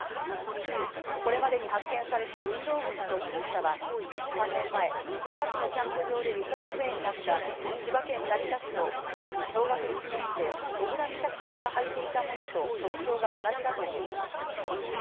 これまでに発見された運動靴と靴下は３年前近くのキャンプ場で行方不明になった千葉県成田市の当時小学１年生、小倉美咲さんが履いていたものと特徴が同じだということです